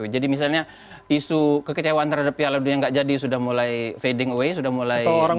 jadi misalnya isu kekecewaan terhadap piala dunia nggak jadi sudah mulai fading away sudah mulai kurang